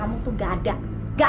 seenggak lebih baik